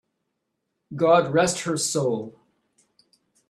God rest her soul!